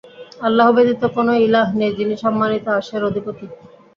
আল্লাহ ব্যতীত কোন ইলাহ নেই, যিনি সম্মানিত আরশের অধিপতি।